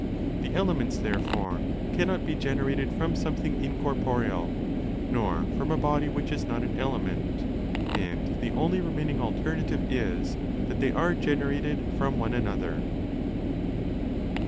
The elements therefore cannot be generated from something incorporeal nor from a body which is not an element, and the only remaining alternative is that they are generated from one another.